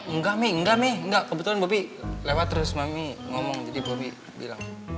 engga mi engga mi engga kebetulan papi lewat terus mamih ngomong jadi papi bilang